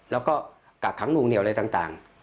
แล้วก็กักขังนวงเหนียวอะไรต่าง